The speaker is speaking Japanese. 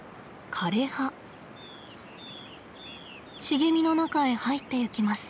茂みの中へ入っていきます。